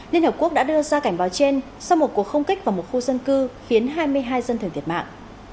liên hợp quốc đã đưa ra cảnh báo trên sau một cuộc không kích vào một khu dân cư khiến hai mươi hai dân thường thiệt mạng